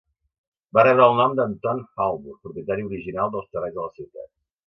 Va rebre el nom d'Anton Halbur, propietari original dels terrenys de la ciutat.